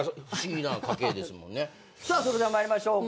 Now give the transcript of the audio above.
さあそれでは参りましょうか。